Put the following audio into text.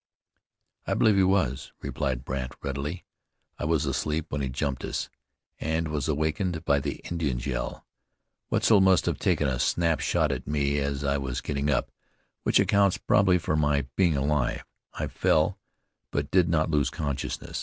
"I believe he was," replied Brandt readily. "I was asleep when he jumped us, and was awakened by the Indian's yell. Wetzel must have taken a snap shot at me as I was getting up, which accounts, probably, for my being alive. I fell, but did not lose consciousness.